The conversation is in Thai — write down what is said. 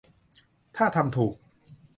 ถ้าทำถูก